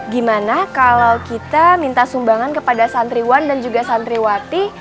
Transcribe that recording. gimana kalau kita minta sumbangan kepada santriwan dan juga santriwati